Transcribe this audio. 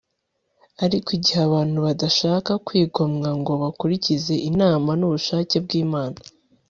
ariko igihe abantu badashaka kwigomwa ngo bakurikize inama n'ubushake bw'imana